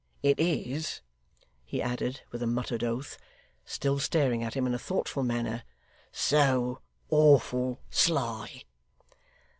It is,' he added, with a muttered oath still staring at him in a thoughtful manner 'so awful sly!